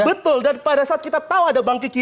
betul dan pada saat kita tahu ada bang kiki